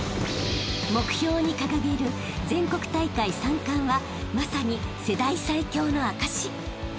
［目標に掲げる全国大会３冠はまさに世代最強の証し］